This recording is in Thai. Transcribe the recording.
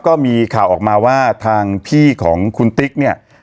ก็มีข่าวออกมาว่าทางพี่ของคุณติ๊กเนี่ย